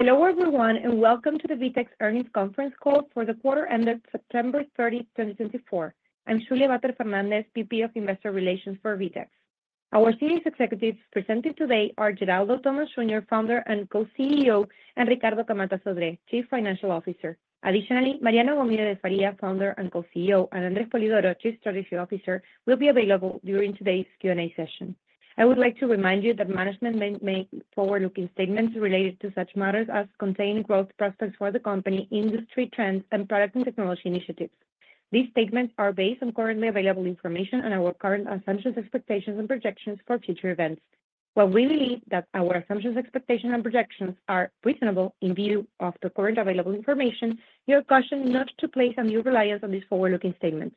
Hello, everyone, and welcome to the VTEX Earnings Conference call for the quarter ended September 30, 2024. I'm Julia Vater Fernández, VP of Investor Relations for VTEX. Our senior executives presenting today are Geraldo Thomaz Junior founder and co-CEO, and Ricardo Camatta Sodré, Chief Financial Officer. Additionally, Mariano Gomide de Faria, founder and co-CEO, and André Spolidoro, Chief Strategy Officer, will be available during today's Q&A session. I would like to remind you that management may make forward-looking statements related to such matters as future growth prospects for the company, industry trends, and product and technology initiatives. These statements are based on currently available information and our current assumptions, expectations, and projections for future events. While we believe that our assumptions, expectations, and projections are reasonable in view of the current available information, you are cautioned not to place any reliance on these forward-looking statements.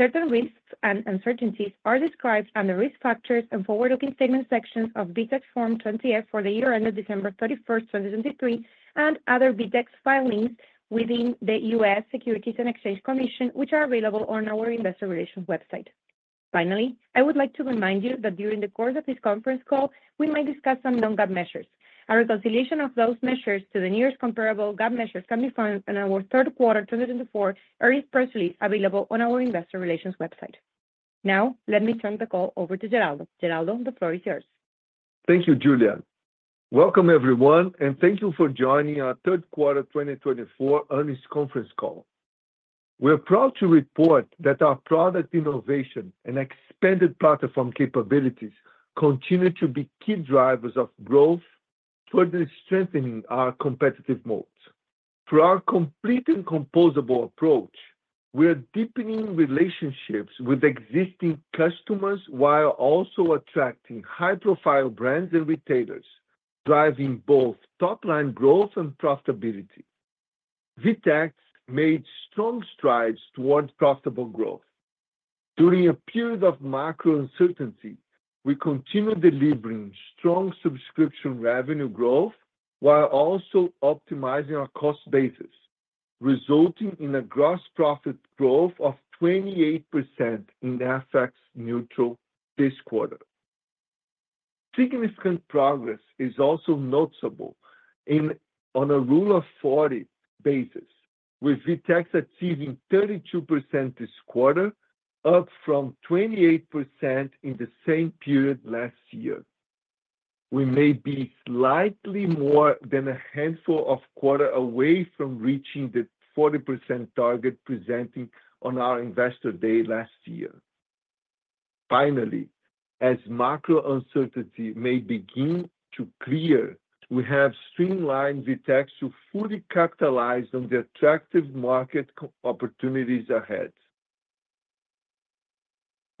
Certain risks and uncertainties are described under Risk Factors and Forward-Looking Statements sections of VTEX Form 20-F for the year ended December 31, 2023, and other VTEX filings within the U.S. Securities and Exchange Commission, which are available on our Investor Relations website. Finally, I would like to remind you that during the course of this conference call, we might discuss some non-GAAP measures. A reconciliation of those measures to the nearest comparable GAAP measures can be found in our third quarter, 2024, earnings press release available on our Investor Relations website. Now, let me turn the call over to Geraldo. Geraldo, the floor is yours. Thank you, Julia. Welcome, everyone, and thank you for joining our third quarter 2024 earnings conference call. We're proud to report that our product innovation and expanded platform capabilities continue to be key drivers of growth, further strengthening our competitive moats. Through our complete and composable approach, we are deepening relationships with existing customers while also attracting high-profile brands and retailers, driving both top-line growth and profitability. VTEX made strong strides toward profitable growth. During a period of macro uncertainty, we continued delivering strong subscription revenue growth while also optimizing our cost basis, resulting in a gross profit growth of 28% in FX Neutral this quarter. Significant progress is also noticeable on a Rule of 40 basis, with VTEX achieving 32% this quarter, up from 28% in the same period last year. We may be slightly more than a handful of quarters away from reaching the 40% target presented on our Investor Day last year. Finally, as macro uncertainty may begin to clear, we have streamlined VTEX to fully capitalize on the attractive market opportunities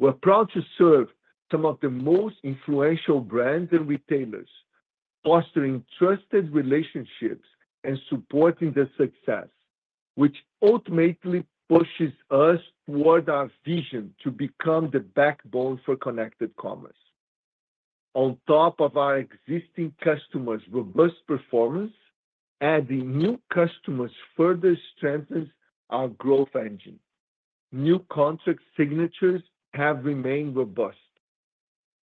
ahead. We're proud to serve some of the most influential brands and retailers, fostering trusted relationships and supporting their success, which ultimately pushes us toward our vision to become the backbone for connected commerce. On top of our existing customers' robust performance, adding new customers further strengthens our growth engine. New contract signatures have remained robust.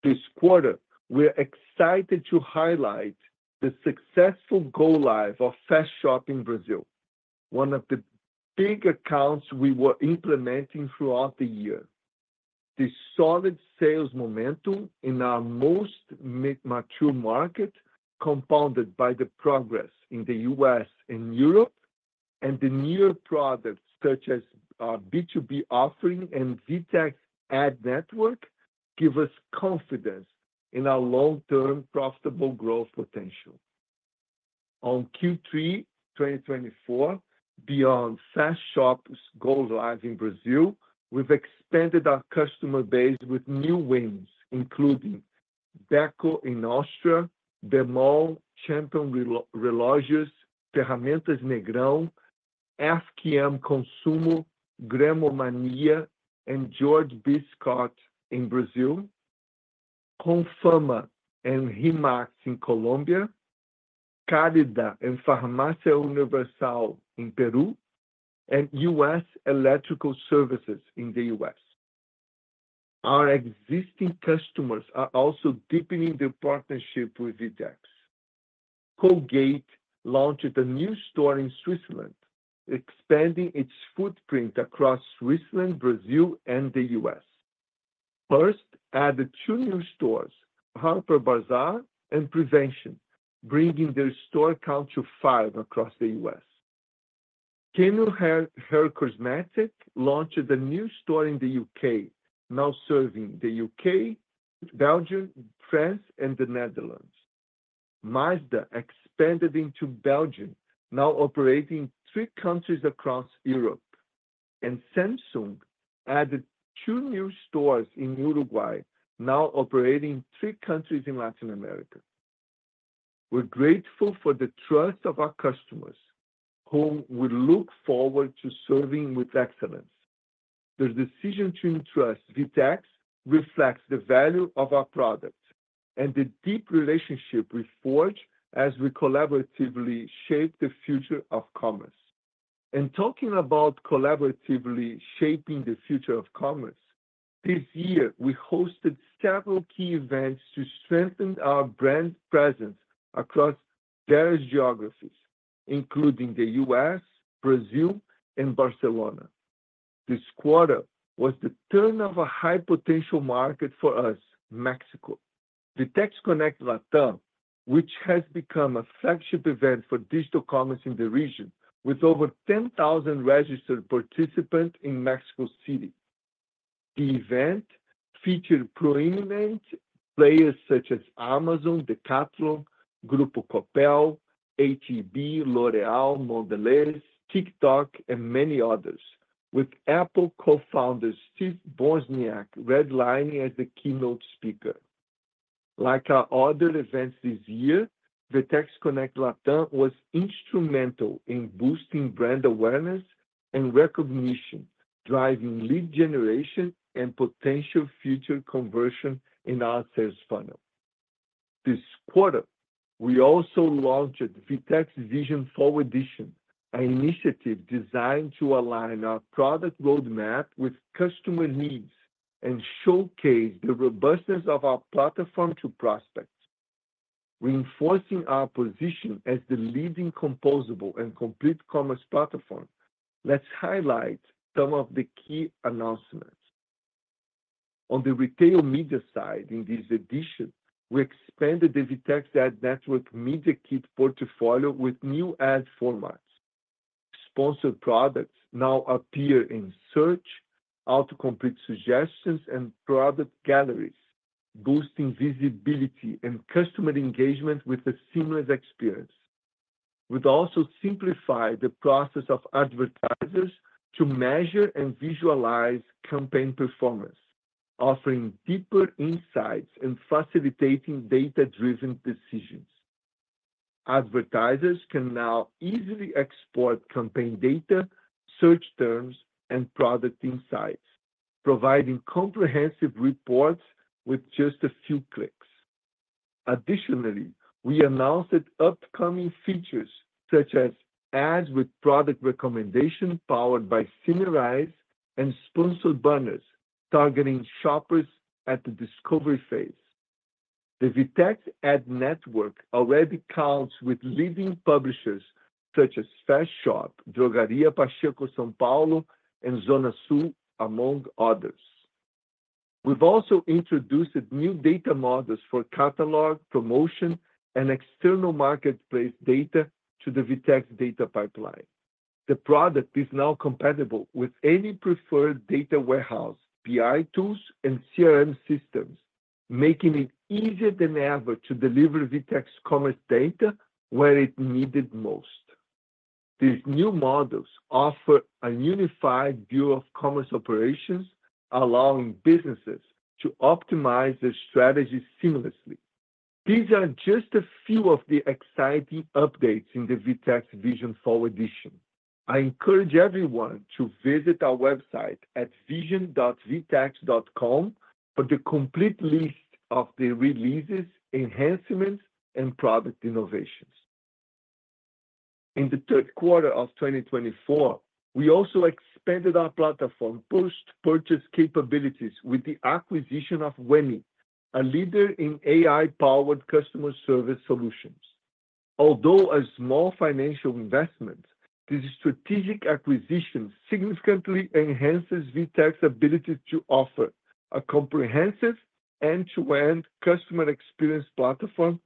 This quarter, we're excited to highlight the successful go-live of Fast Shop in Brazil, one of the big accounts we were implementing throughout the year. The solid sales momentum in our most mature market, compounded by the progress in the U.S. and Europe, and the newer products such as our B2B offering and VTEX Ad Network, give us confidence in our long-term profitable growth potential. On Q3 2024, beyond Fast Shop's go-live in Brazil, we've expanded our customer base with new wins, including Beko in Austria, Bemol, Champion Relógios, Ferramentas Negrão, FGM Consumo, Gromania, and Jorge Bischoff in Brazil, Comfama and RE/MAX in Colombia, Calida and Farmacia Universal in Peru, and U.S. Electrical Services in the U.S. Our existing customers are also deepening their partnership with VTEX. Colgate launched a new store in Switzerland, expanding its footprint across Switzerland, Brazil, and the U.S. Hearst added two new stores, Harper's Bazaar and Prevention, bringing their store count to five across the U.S. Keune Haircosmetics launched a new store in the U.K., now serving the U.K., Belgium, France, and the Netherlands. Mazda expanded into Belgium, now operating in three countries across Europe. Samsung added two new stores in Uruguay, now operating in three countries in Latin America. We're grateful for the trust of our customers, whom we look forward to serving with excellence. Their decision to entrust VTEX reflects the value of our products and the deep relationship we forge as we collaboratively shape the future of commerce. Talking about collaboratively shaping the future of commerce, this year we hosted several key events to strengthen our brand presence across various geographies, including the U.S., Brazil, and Barcelona. This quarter was the turn of a high-potential market for us, Mexico, VTEX Connect Latam, which has become a flagship event for digital commerce in the region, with over 10,000 registered participants in Mexico City. The event featured prominent players such as Amazon, Decathlon, Grupo Coppel, H-E-B, L'Oréal, Mondelez, TikTok, and many others, with Apple co-founder Steve Wozniak headlining as the keynote speaker. Like our other events this year, VTEX Connect Latam was instrumental in boosting brand awareness and recognition, driving lead generation and potential future conversion in our sales funnel. This quarter, we also launched VTEX Vision Fall Edition, an initiative designed to align our product roadmap with customer needs and showcase the robustness of our platform to prospects. Reinforcing our position as the leading composable and complete commerce platform, let's highlight some of the key announcements. On the retail media side, in this edition, we expanded the VTEX Ad Network media kit portfolio with new ad formats. Sponsored products now appear in search, autocomplete suggestions, and product galleries, boosting visibility and customer engagement with a seamless experience. We've also simplified the process of advertisers to measure and visualize campaign performance, offering deeper insights and facilitating data-driven decisions. Advertisers can now easily export campaign data, search terms, and product insights, providing comprehensive reports with just a few clicks. Additionally, we announced upcoming features such as ads with product recommendation powered by Synerise and sponsored banners targeting shoppers at the discovery phase. The VTEX Ad Network already counts with leading publishers such as Fast Shop, Drogaria Pacheco São Paulo, and Zona Sul, among others. We've also introduced new data models for catalog, promotion, and external marketplace data to the VTEX Data Pipeline. The product is now compatible with any preferred data warehouse, BI tools, and CRM systems, making it easier than ever to deliver VTEX commerce data where it's needed most. These new models offer a unified view of commerce operations, allowing businesses to optimize their strategies seamlessly. These are just a few of the exciting updates in the VTEX Vision 4 Edition. I encourage everyone to visit our website at vision.vtex.com for the complete list of the releases, enhancements, and product innovations. In the third quarter of 2024, we also expanded our platform purchase capabilities with the acquisition of Weni, a leader in AI-powered customer service solutions. Although a small financial investment, this strategic acquisition significantly enhances VTEX's ability to offer a comprehensive end-to-end customer experience platform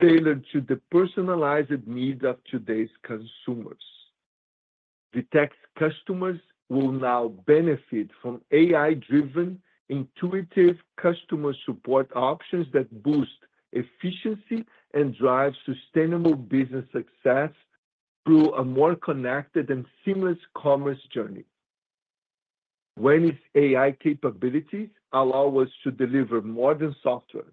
tailored to the personalized needs of today's consumers. VTEX customers will now benefit from AI-driven, intuitive customer support options that boost efficiency and drive sustainable business success through a more connected and seamless commerce journey. Weni's AI capabilities allow us to deliver more than software.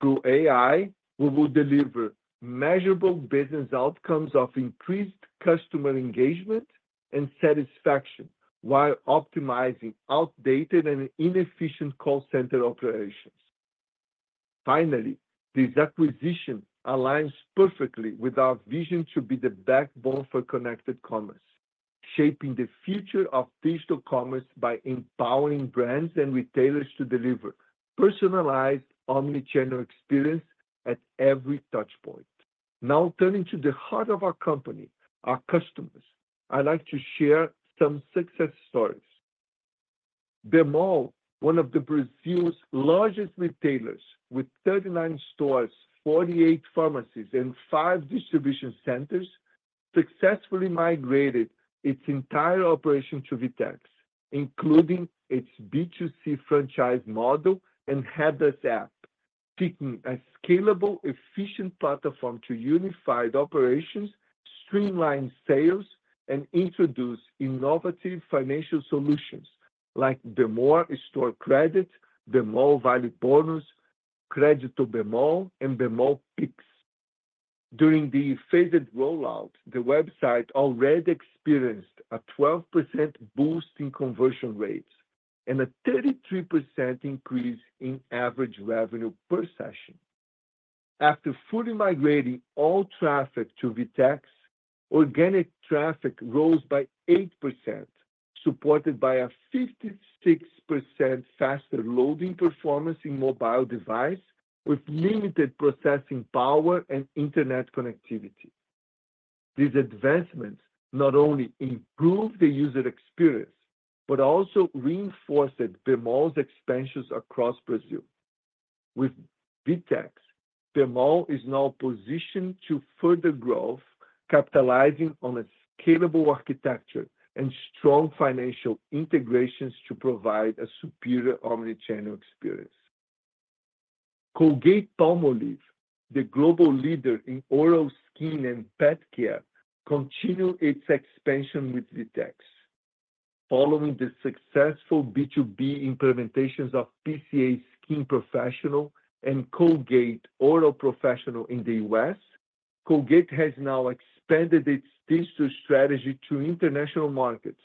Through AI, we will deliver measurable business outcomes of increased customer engagement and satisfaction while optimizing outdated and inefficient call center operations. Finally, this acquisition aligns perfectly with our vision to be the backbone for connected commerce, shaping the future of digital commerce by empowering brands and retailers to deliver personalized omnichannel experience at every touchpoint. Now, turning to the heart of our company, our customers, I'd like to share some success stories. Bemol, one of Brazil's largest retailers, with 39 stores, 48 pharmacies, and five distribution centers, successfully migrated its entire operation to VTEX, including its B2C franchise model and headless app, picking a scalable, efficient platform to unify the operations, streamline sales, and introduce innovative financial solutions like Bemol Store Credit, Bemol Vale Bonus, Credito Bemol, and Bemol Pix. During the phased rollout, the website already experienced a 12% boost in conversion rates and a 33% increase in average revenue per session. After fully migrating all traffic to VTEX, organic traffic rose by 8%, supported by a 56% faster loading performance in mobile devices with limited processing power and internet connectivity. These advancements not only improved the user experience but also reinforced Bemol's expansions across Brazil. With VTEX, Bemol is now positioned to further grow, capitalizing on a scalable architecture and strong financial integrations to provide a superior omnichannel experience. Colgate-Palmolive, the global leader in oral skin and pet care, continues its expansion with VTEX. Following the successful B2B implementations of PCA Skin Professional and Colgate Oral Professional in the U.S., Colgate has now expanded its digital strategy to international markets,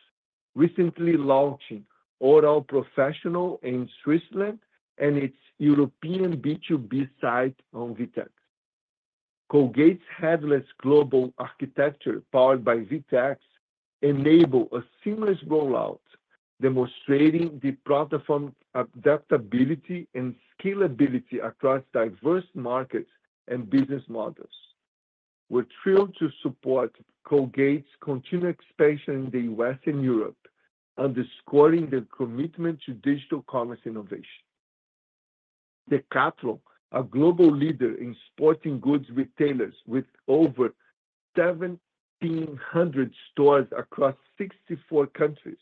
recently launching Oral Professional in Switzerland and its European B2B site on VTEX. Colgate's headless global architecture powered by VTEX enables a seamless rollout, demonstrating the platform's adaptability and scalability across diverse markets and business models. We're thrilled to support Colgate's continued expansion in the U.S. and Europe, underscoring their commitment to digital commerce innovation. Decathlon, a global leader in sporting goods retailer with over 1,700 stores across 64 countries,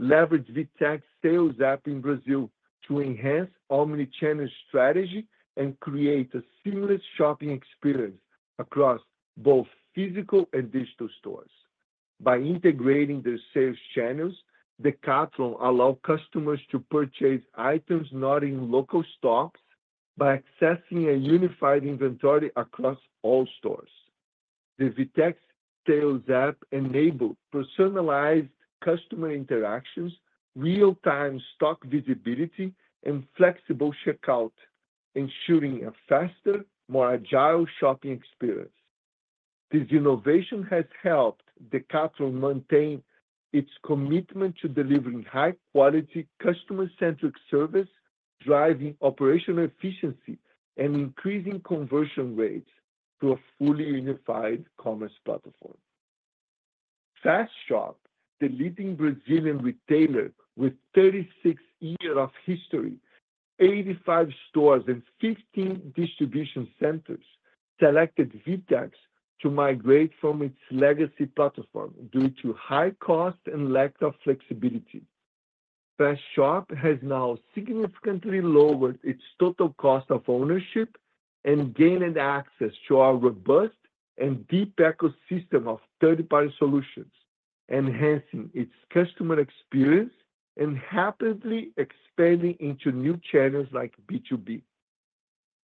leveraged VTEX's Sales App in Brazil to enhance omnichannel strategy and create a seamless shopping experience across both physical and digital stores. By integrating their sales channels, Decathlon allows customers to purchase items not in local stores by accessing a unified inventory across all stores. The VTEX Sales App enables personalized customer interactions, real-time stock visibility, and flexible checkout, ensuring a faster, more agile shopping experience. This innovation has helped Decathlon maintain its commitment to delivering high-quality, customer-centric service, driving operational efficiency, and increasing conversion rates through a fully unified commerce platform. Fast Shop, the leading Brazilian retailer with a 36-year history, 85 stores, and 15 distribution centers, selected VTEX to migrate from its legacy platform due to high costs and lack of flexibility. Fast Shop has now significantly lowered its total cost of ownership and gained access to a robust and deep ecosystem of third-party solutions, enhancing its customer experience and rapidly expanding into new channels like B2B.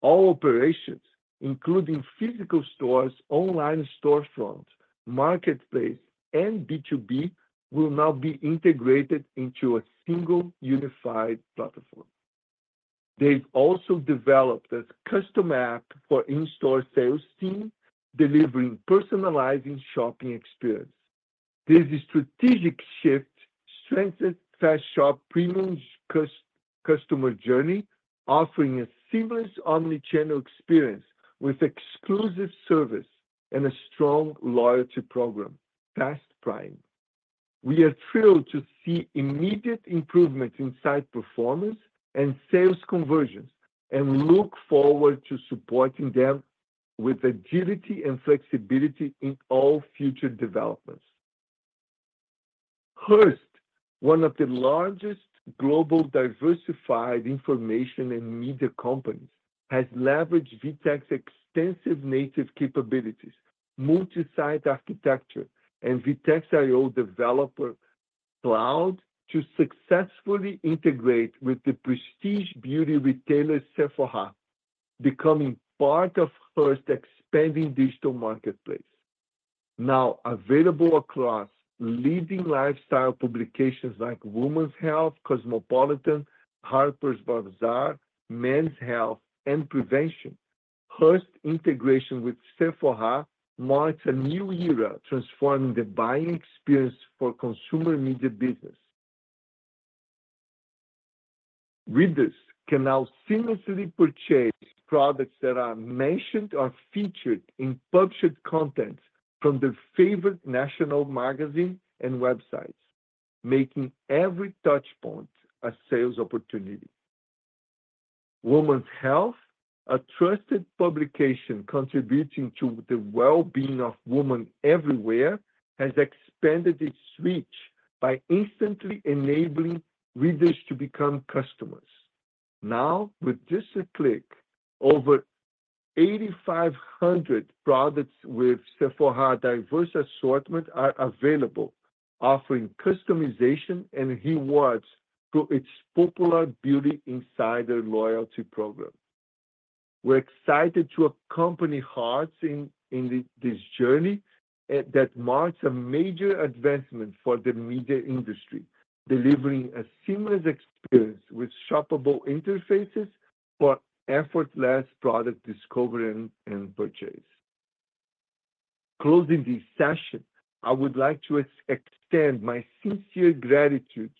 All operations, including physical stores, online storefronts, marketplaces, and B2B, will now be integrated into a single unified platform. They've also developed a custom app for in-store sales teams, delivering a personalized shopping experience. This strategic shift strengthens Fast Shop's premium customer journey, offering a seamless omnichannel experience with exclusive service and a strong loyalty program, Fast Prime. We are thrilled to see immediate improvements in site performance and sales conversions and look forward to supporting them with agility and flexibility in all future developments. Hearst, one of the largest global diversified information and media companies, has leveraged VTEX's extensive native capabilities, multi-site architecture, and VTEX IO developer cloud to successfully integrate with the prestige beauty retailer Sephora, becoming part of Hearst's expanding digital marketplace. Now available across leading lifestyle publications like Women's Health, Cosmopolitan, Harper's Bazaar, Men's Health, and Prevention, Hearst's integration with Sephora marks a new era transforming the buying experience for consumer media business. Readers can now seamlessly purchase products that are mentioned or featured in published content from their favorite national magazines and websites, making every touchpoint a sales opportunity. Women's Health, a trusted publication contributing to the well-being of women everywhere, has expanded its reach by instantly enabling readers to become customers. Now, with just a click, over 8,500 products with Sephora's diverse assortment are available, offering customization and rewards through its popular Beauty Insider loyalty program. We're excited to accompany Hearst in this journey that marks a major advancement for the media industry, delivering a seamless experience with shoppable interfaces for effortless product discovery and purchase. Closing this session, I would like to extend my sincere gratitude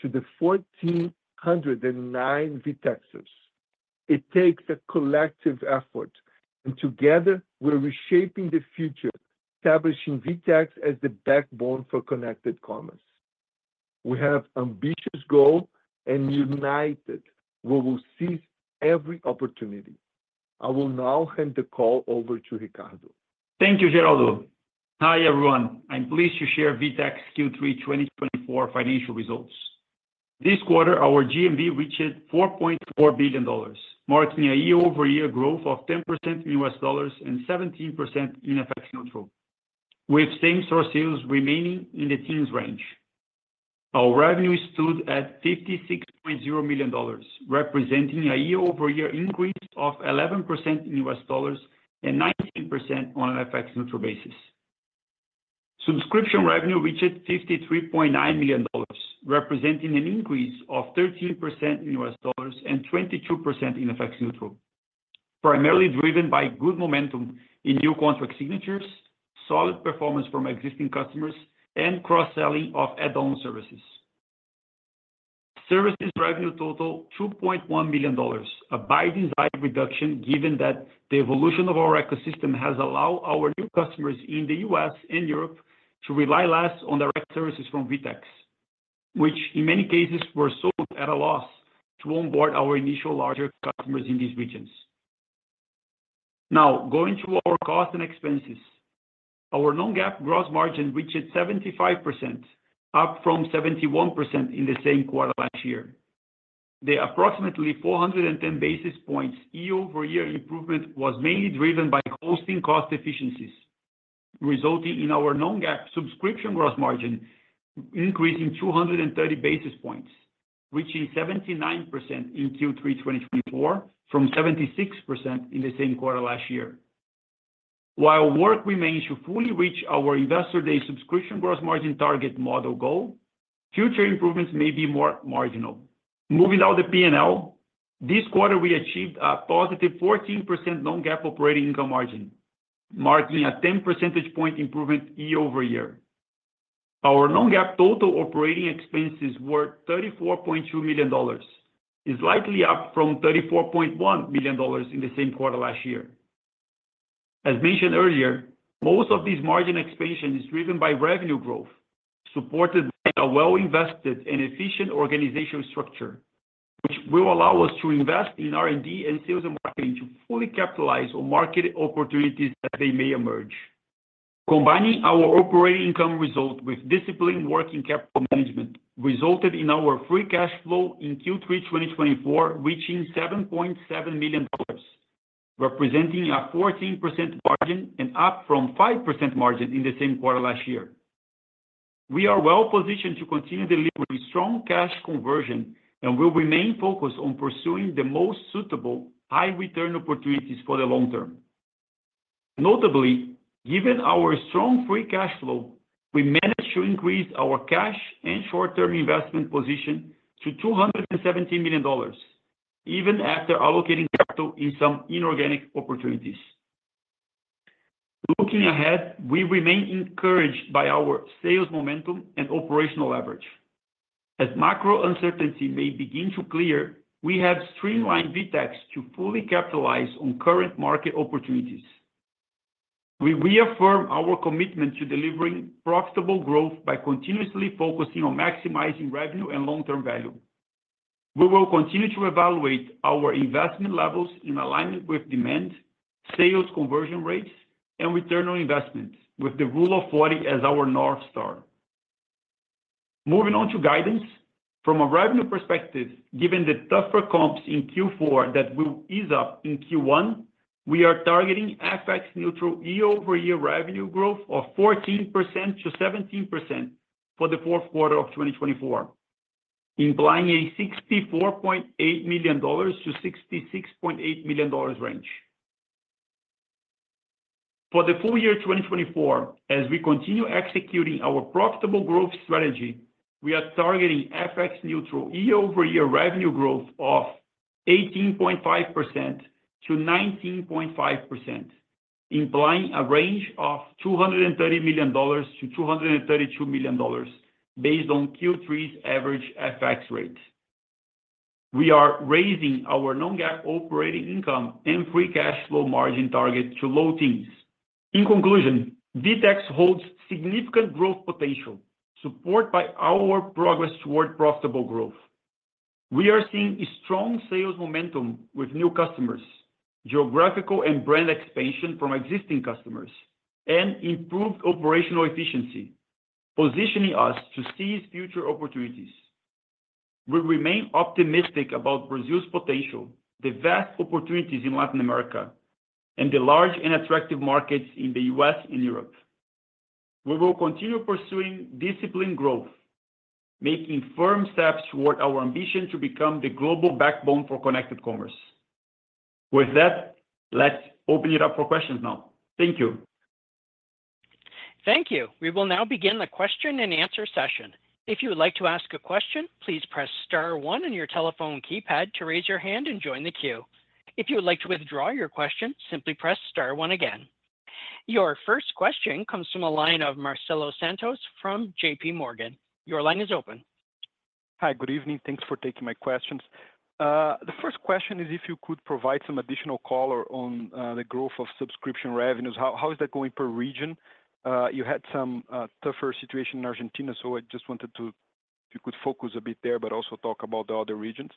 to the 1,409 VTEXers. It takes a collective effort, and together, we're reshaping the future, establishing VTEX as the backbone for connected commerce. We have ambitious goals, and united, we will seize every opportunity. I will now hand the call over to Ricardo. Thank you, Geraldo. Hi, everyone. I'm pleased to share VTEX Q3 2024 financial results. This quarter, our GMV reached $4.4 billion, marking a year-over-year growth of 10% in U.S. dollars and 17% in FX neutral, with same-store sales remaining in the teens range. Our revenue stood at $56.0 million, representing a year-over-year increase of 11% in U.S. dollars and 19% on an FX neutral basis. Subscription revenue reached $53.9 million, representing an increase of 13% in U.S. dollars and 22% in FX neutral, primarily driven by good momentum in new contract signatures, solid performance from existing customers, and cross-selling of add-on services. Services revenue totaled $2.1 million, a by-design reduction given that the evolution of our ecosystem has allowed our new customers in the U.S. and Europe to rely less on direct services from VTEX, which, in many cases, were sold at a loss to onboard our initial larger customers in these regions. Now, going to our costs and expenses, our non-GAAP gross margin reached 75%, up from 71% in the same quarter last year. The approximately 410 basis points year-over-year improvement was mainly driven by hosting cost efficiencies, resulting in our non-GAAP subscription gross margin increasing 230 basis points, reaching 79% in Q3 2024 from 76% in the same quarter last year. While work remains to fully reach our investor-day subscription gross margin target model goal, future improvements may be more marginal. Moving on to P&L, this quarter, we achieved a positive 14% non-GAAP operating income margin, marking a 10 percentage point improvement year-over-year. Our non-GAAP total operating expenses were $34.2 million, slightly up from $34.1 million in the same quarter last year. As mentioned earlier, most of this margin expansion is driven by revenue growth, supported by a well-invested and efficient organizational structure, which will allow us to invest in R&D and sales and marketing to fully capitalize on market opportunities as they may emerge. Combining our operating income result with disciplined work in capital management resulted in our free cash flow in Q3 2024 reaching $7.7 million, representing a 14% margin and up from 5% margin in the same quarter last year. We are well-positioned to continue delivering strong cash conversion and will remain focused on pursuing the most suitable high-return opportunities for the long term. Notably, given our strong free cash flow, we managed to increase our cash and short-term investment position to $217 million, even after allocating capital in some inorganic opportunities. Looking ahead, we remain encouraged by our sales momentum and operational leverage. As macro uncertainty may begin to clear, we have streamlined VTEX to fully capitalize on current market opportunities. We reaffirm our commitment to delivering profitable growth by continuously focusing on maximizing revenue and long-term value. We will continue to evaluate our investment levels in alignment with demand, sales conversion rates, and return on investment, with the Rule of 40 as our North Star. Moving on to guidance, from a revenue perspective, given the tougher comps in Q4 that will ease up in Q1, we are targeting FX Neutral year-over-year revenue growth of 14%-17% for the fourth quarter of 2024, implying a $64.8 million-$66.8 million range. For the full year 2024, as we continue executing our profitable growth strategy, we are targeting FX Neutral year-over-year revenue growth of 18.5%-19.5%, implying a range of $230 million-$232 million based on Q3's average FX rate. We are raising our non-GAAP operating income and Free Cash Flow margin target to low teens. In conclusion, VTEX holds significant growth potential, supported by our progress toward profitable growth. We are seeing strong sales momentum with new customers, geographical and brand expansion from existing customers, and improved operational efficiency, positioning us to seize future opportunities. We remain optimistic about Brazil's potential, the vast opportunities in Latin America, and the large and attractive markets in the U.S. and Europe. We will continue pursuing disciplined growth, making firm steps toward our ambition to become the global backbone for connected commerce. With that, let's open it up for questions now. Thank you. Thank you. We will now begin the question-and-answer session. If you would like to ask a question, please press Star 1 on your telephone keypad to raise your hand and join the queue. If you would like to withdraw your question, simply press Star 1 again. Your first question comes from the line of Marcelo Santos from J.P. Morgan. Your line is open. Hi, good evening. Thanks for taking my questions. The first question is if you could provide some additional color on the growth of subscription revenues. How is that going per region? You had some tougher situation in Argentina, so I just wanted to, if you could focus a bit there, but also talk about the other regions.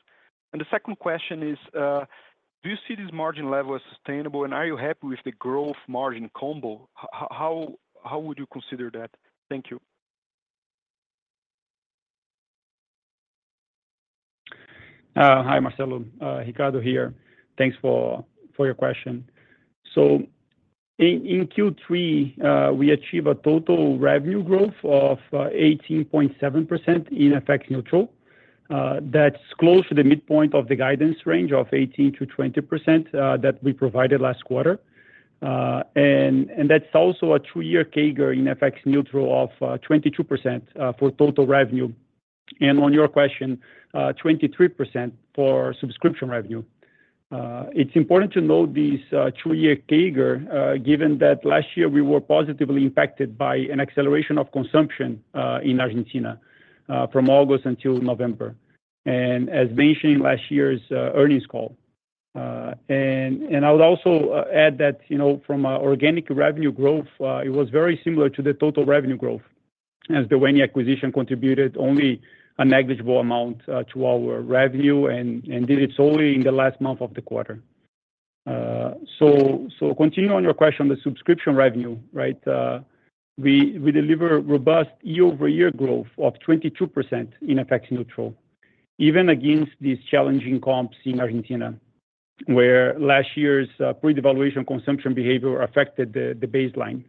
The second question is, do you see this margin level as sustainable, and are you happy with the growth margin combo? How would you consider that? Thank you. Hi, Marcelo. Ricardo here. Thanks for your question. In Q3, we achieved a total revenue growth of 18.7% in FX neutral. That's close to the midpoint of the guidance range of 18%-20% that we provided last quarter. That's also a two-year CAGR in FX neutral of 22% for total revenue. On your question, 23% for subscription revenue. It's important to note this two-year CAGR, given that last year we were positively impacted by an acceleration of consumption in Argentina from August until November, and as mentioned in last year's earnings call. And I would also add that from an organic revenue growth, it was very similar to the total revenue growth, as the Weni acquisition contributed only a negligible amount to our revenue, and did it solely in the last month of the quarter. So continuing on your question on the subscription revenue, right, we deliver robust year-over-year growth of 22% in FX neutral, even against these challenging comps in Argentina, where last year's pre-devaluation consumption behavior affected the baseline.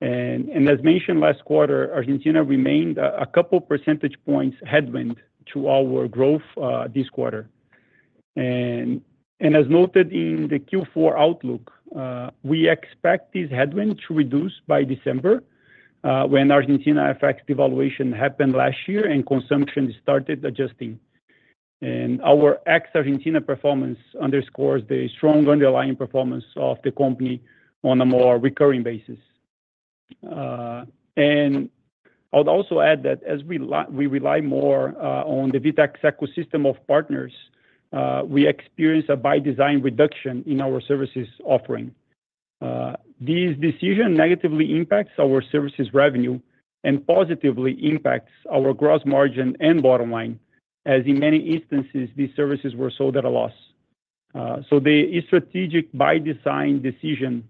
And as mentioned last quarter, Argentina remained a couple percentage points headwind to our growth this quarter. As noted in the Q4 outlook, we expect this headwind to reduce by December, when Argentina FX devaluation happened last year and consumption started adjusting. Our ex-Argentina performance underscores the strong underlying performance of the company on a more recurring basis. I would also add that as we rely more on the VTEX ecosystem of partners, we experience a by-design reduction in our services offering. This decision negatively impacts our services revenue and positively impacts our gross margin and bottom line, as in many instances, these services were sold at a loss. The strategic by-design decision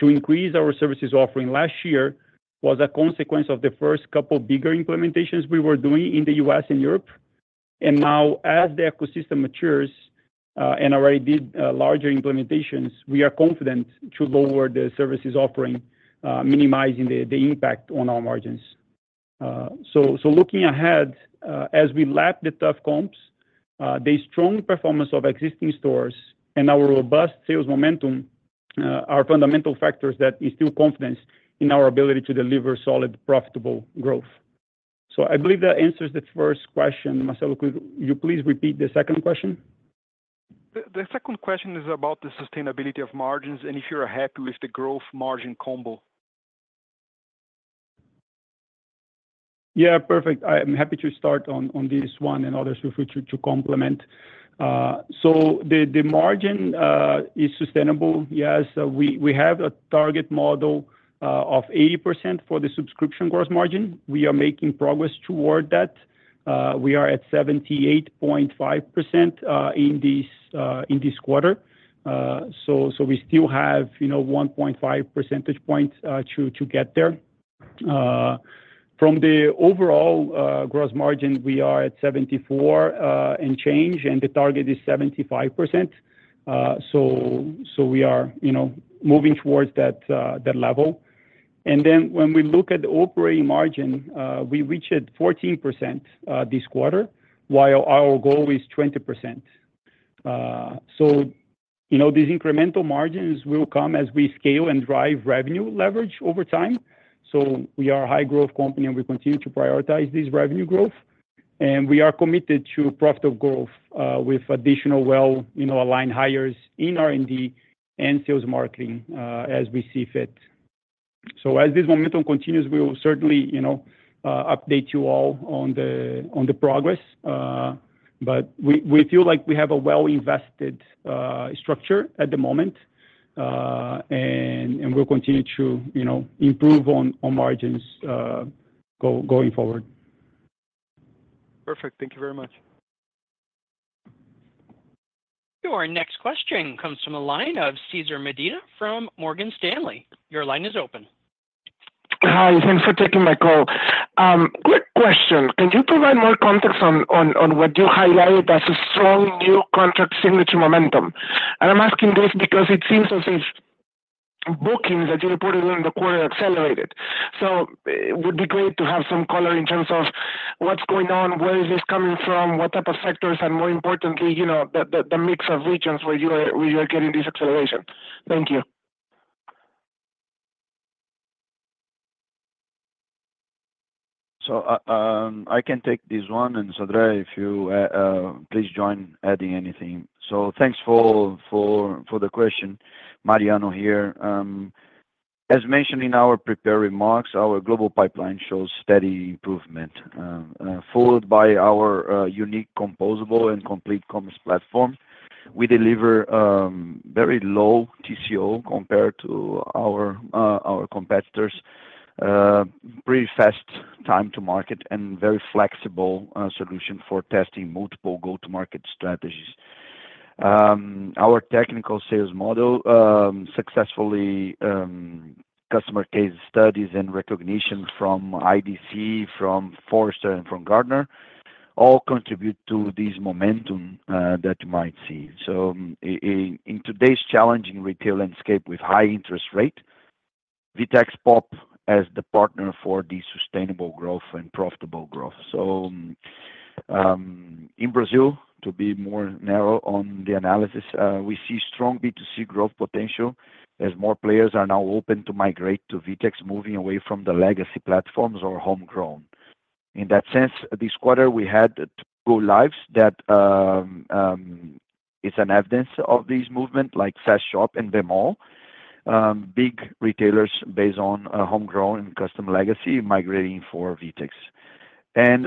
to increase our services offering last year was a consequence of the first couple bigger implementations we were doing in the U.S. and Europe. Now, as the ecosystem matures and already did larger implementations, we are confident to lower the services offering, minimizing the impact on our margins. So looking ahead, as we lap the tough comps, the strong performance of existing stores and our robust sales momentum are fundamental factors that instill confidence in our ability to deliver solid, profitable growth. So I believe that answers the first question. Marcelo, could you please repeat the second question? The second question is about the sustainability of margins and if you're happy with the growth margin combo. Yeah, perfect. I'm happy to start on this one and others if we should complement. So the margin is sustainable, yes. We have a target model of 80% for the subscription gross margin. We are making progress toward that. We are at 78.5% in this quarter. So we still have 1.5 percentage points to get there. From the overall gross margin, we are at 74 and change, and the target is 75%. So we are moving towards that level. And then when we look at the operating margin, we reached 14% this quarter, while our goal is 20%. So these incremental margins will come as we scale and drive revenue leverage over time. So we are a high-growth company, and we continue to prioritize this revenue growth. And we are committed to profitable growth with additional well-aligned hires in R&D and sales marketing as we see fit. So as this momentum continues, we will certainly update you all on the progress. But we feel like we have a well-invested structure at the moment, and we'll continue to improve on margins going forward. Perfect. Thank you very much. Our next question comes from Cesar Medina of Morgan Stanley. Your line is open. Hi, thanks for taking my call. Quick question. Can you provide more context on what you highlighted as a strong new contract signature momentum? I'm asking this because it seems as if bookings that you reported in the quarter accelerated. So it would be great to have some color in terms of what's going on, where is this coming from, what type of sectors, and more importantly, the mix of regions where you are getting this acceleration. Thank you. So I can take this one. And Sodré, if you please join adding anything. So thanks for the question. Mariano here. As mentioned in our prepared remarks, our global pipeline shows steady improvement, fueled by our unique composable and complete commerce platform. We deliver very low TCO compared to our competitors, pretty fast time to market, and very flexible solution for testing multiple go-to-market strategies. Our technical sales model, successful customer case studies and recognition from IDC, from Forrester, and from Gartner, all contribute to this momentum that you might see. So in today's challenging retail landscape with high interest rates, VTEX positions as the partner for the sustainable growth and profitable growth. So in Brazil, to be more narrow on the analysis, we see strong B2C growth potential as more players are now open to migrate to VTEX, moving away from the legacy platforms or homegrown. In that sense, this quarter, we had two go-lives that is evidence of this movement, like Fast Shop and Bemol, big retailers based on homegrown and custom legacy migrating to VTEX. And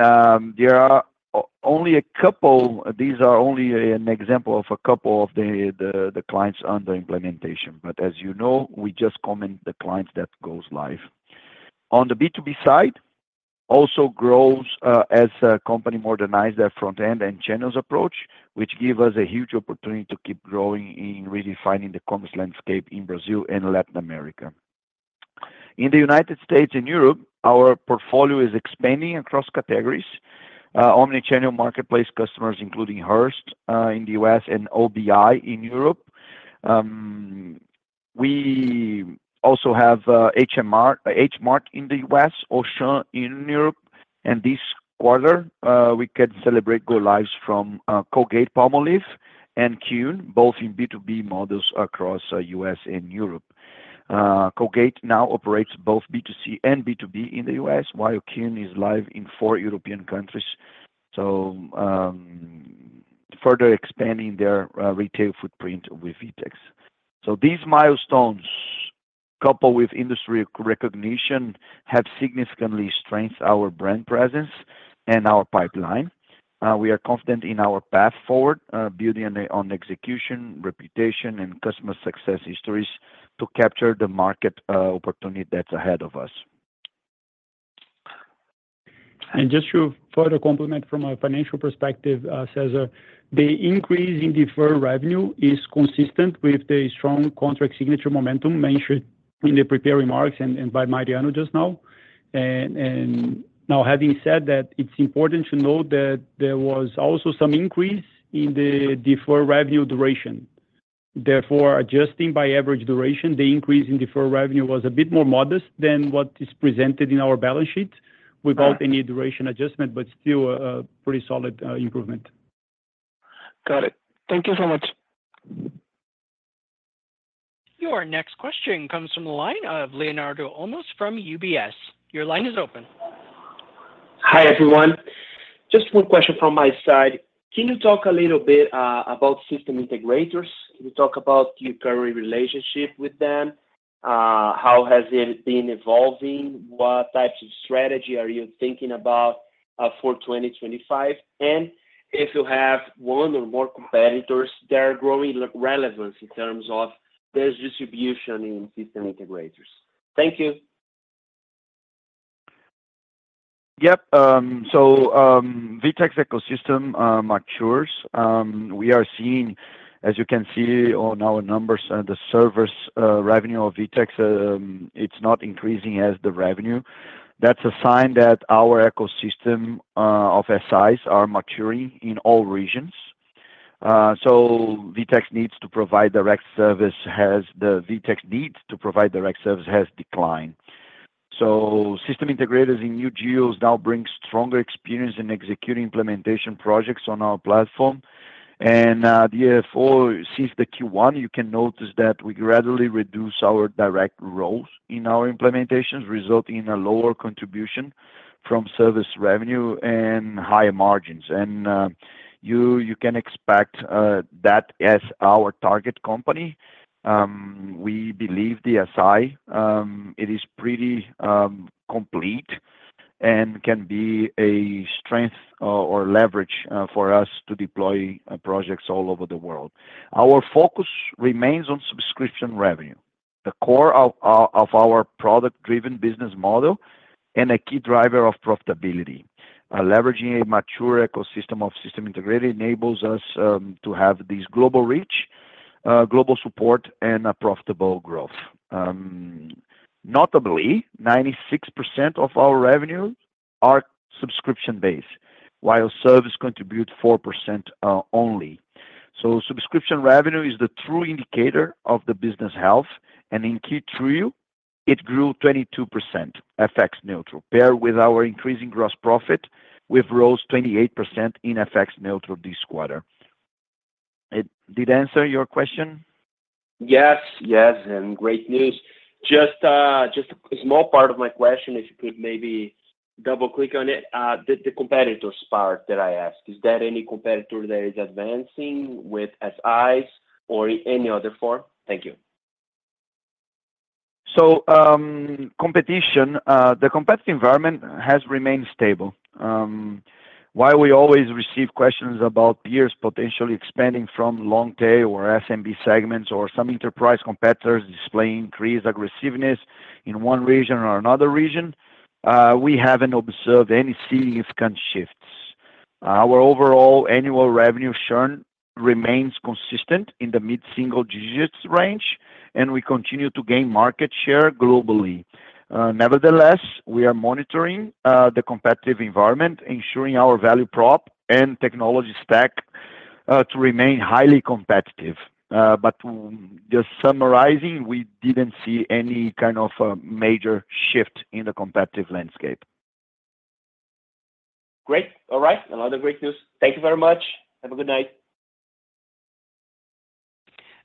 there are only a couple; these are only an example of a couple of the clients under implementation. But as you know, we only comment on the clients that go live. On the B2B side, also grows as a company modernized their front-end and channels approach, which gives us a huge opportunity to keep growing in redefining the commerce landscape in Brazil and Latin America. In the United States and Europe, our portfolio is expanding across categories: omnichannel marketplace customers, including Hearst in the U.S. and OBI in Europe. We also have H Mart in the U.S., Auchan in Europe. And this quarter, we could celebrate go-lives from Colgate-Palmolive and Keune, both in B2B models across the U.S. and Europe. Colgate now operates both B2C and B2B in the U.S., while Keune is live in four European countries, so further expanding their retail footprint with VTEX. So these milestones, coupled with industry recognition, have significantly strengthened our brand presence and our pipeline. We are confident in our path forward, building on execution, reputation, and customer success histories to capture the market opportunity that's ahead of us. And just to further complement from a financial perspective, Cesar, the increase in deferred revenue is consistent with the strong contract signature momentum mentioned in the prepared remarks and by Mariano just now. And now, having said that, it's important to note that there was also some increase in the deferred revenue duration. Therefore, adjusting by average duration, the increase in deferred revenue was a bit more modest than what is presented in our balance sheet without any duration adjustment, but still a pretty solid improvement. Got it. Thank you so much. Your next question comes from the line of Leonardo Olmos from UBS. Your line is open. Hi everyone. Just one question from my side. Can you talk a little bit about system integrators? Can you talk about your current relationship with them? How has it been evolving? What types of strategy are you thinking about for 2025? And if you have one or more competitors that are growing relevance in terms of their distribution in system integrators? Thank you. Yep. So, the VTEX ecosystem matures. We are seeing, as you can see on our numbers, the service revenue of VTEX. It's not increasing as the revenue. That's a sign that our ecosystem of SIs are maturing in all regions. So, the need for VTEX to provide direct services has declined. So, system integrators in new geos now bring stronger experience in executing implementation projects on our platform. And therefore, since the Q1, you can notice that we gradually reduce our direct roles in our implementations, resulting in a lower contribution from service revenue and high margins. You can expect that as our target company. We believe the SI, it is pretty complete and can be a strength or leverage for us to deploy projects all over the world. Our focus remains on subscription revenue, the core of our product-driven business model, and a key driver of profitability. Leveraging a mature ecosystem of system integrator enables us to have this global reach, global support, and profitable growth. Notably, 96% of our revenue are subscription-based, while service contributes 4% only. Subscription revenue is the true indicator of the business health. In Q3, it grew 22% FX-neutral, paired with our increasing gross profit, which rose 28% FX-neutral this quarter. Did I answer your question? Yes, yes. Great news. Just a small part of my question, if you could maybe double-click on it, the competitors part that I asked. Is there any competitor that is advancing with SIs or in any other form? Thank you. So competition, the competitive environment has remained stable. While we always receive questions about peers potentially expanding from long tail or SMB segments or some enterprise competitors displaying increased aggressiveness in one region or another region, we haven't observed any significant shifts. Our overall annual revenue churn remains consistent in the mid-single digits range, and we continue to gain market share globally. Nevertheless, we are monitoring the competitive environment, ensuring our value prop and technology stack to remain highly competitive. But just summarizing, we didn't see any kind of major shift in the competitive landscape. Great. All right. Another great news. Thank you very much. Have a good night.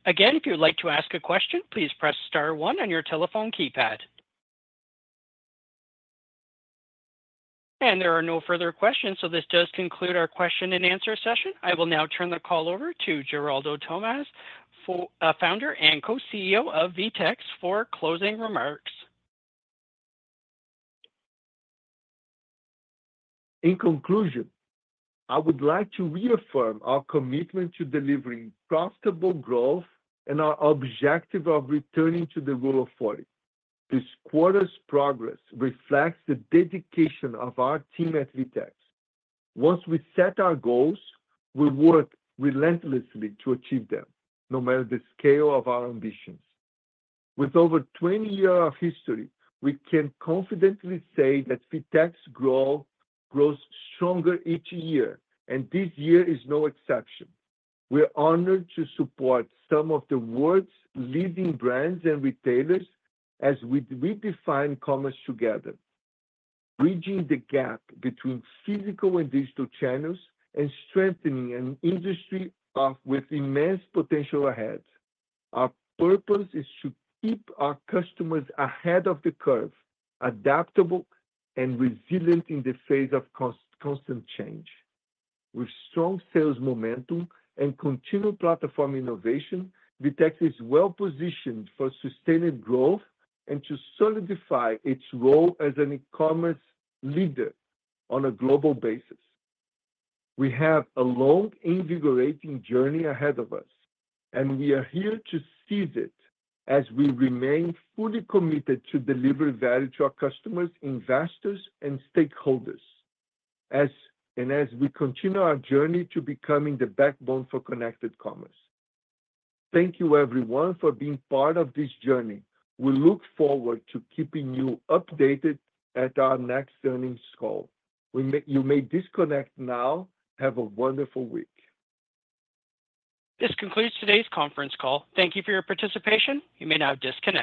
Again, if you'd like to ask a question, please press star one on your telephone keypad. There are no further questions, so this does conclude our question and answer session. I will now turn the call over to Geraldo Thomaz, Founder and Co-CEO of VTEX, for closing remarks. In conclusion, I would like to reaffirm our commitment to delivering profitable growth and our objective of returning to the Rule of 40. This quarter's progress reflects the dedication of our team at VTEX. Once we set our goals, we work relentlessly to achieve them, no matter the scale of our ambitions. With over 20 years of history, we can confidently say that VTEX grows stronger each year, and this year is no exception. We're honored to support some of the world's leading brands and retailers as we redefine commerce together, bridging the gap between physical and digital channels and strengthening an industry with immense potential ahead. Our purpose is to keep our customers ahead of the curve, adaptable, and resilient in the face of constant change. With strong sales momentum and continued platform innovation, VTEX is well-positioned for sustained growth and to solidify its role as an e-commerce leader on a global basis. We have a long, invigorating journey ahead of us, and we are here to seize it as we remain fully committed to delivering value to our customers, investors, and stakeholders, and as we continue our journey to becoming the backbone for connected commerce. Thank you, everyone, for being part of this journey. We look forward to keeping you updated at our next earnings call. You may disconnect now. Have a wonderful week. This concludes today's conference call. Thank you for your participation. You may now disconnect.